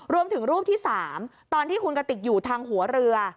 รวมถึงรูปที่๓ตอนที่คุณกติกอยู่ทางหัวเรือ